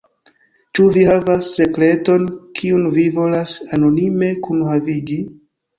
Ĉu vi havas sekreton, kiun vi volas anonime kunhavigi?